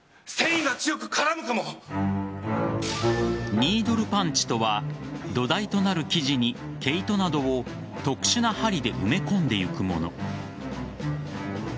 ニードルパンチとは土台となる生地に毛糸などを特殊な針で埋め込んでいくもの。